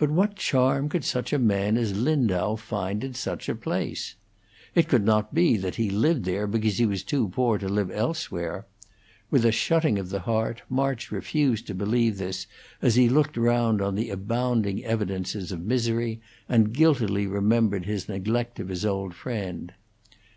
But what charm could such a man as Lindau find in such a place? It could not be that he lived there because he was too poor to live elsewhere: with a shutting of the heart, March refused to believe this as he looked round on the abounding evidences of misery, and guiltily remembered his neglect of his old friend.